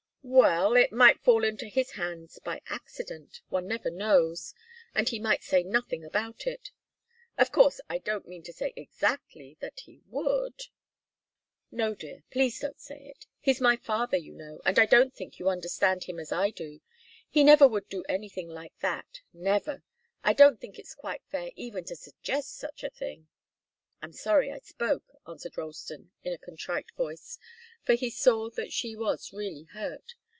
"Well it might fall into his hands by accident. One never knows. And he might say nothing about it. Of course, I don't mean to say exactly that he would " "No, dear please don't say it. He's my father, you know and I don't think you understand him as I do. He never would do anything like that never! I don't think it's quite fair even to suggest such a thing." "I'm sorry I spoke," answered Ralston, in a contrite voice, for he saw that she was really hurt.